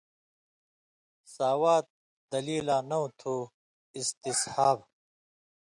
ساوات دلیلاں نؤں تُھو اِستِصحاب